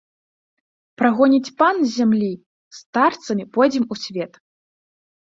Прагоніць пан з зямлі, старцамі пойдзем у свет.